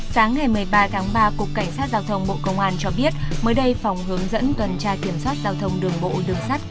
sáng ngày một mươi ba tháng ba cục cảnh sát giao thông bộ công an cho biết mới đây phòng hướng dẫn tuần tra kiểm soát giao thông đường bộ đường sắt